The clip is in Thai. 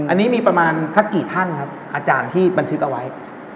อันนี้มีประมาณสักกี่ท่านครับอาจารย์ที่บันทึกเอาไว้